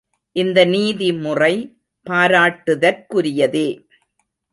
இந்த நீதி முறை பாராட்டுதற்குரியதே.